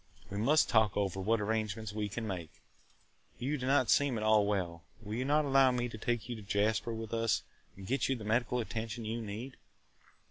We must talk over what arrangements we can make. You do not seem at all well. Will you not allow me to take you to Jasper with us and get you the medical attention you need?"